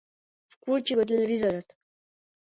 Вклучи го телевизорот.